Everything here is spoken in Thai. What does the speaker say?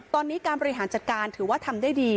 ตอนนี้การบริหารจัดการถือว่าทำได้ดี